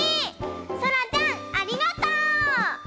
そらちゃんありがとう！